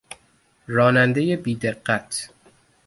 رانندهی بیدقت